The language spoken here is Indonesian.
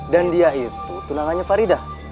dan dia itu tunangannya faridah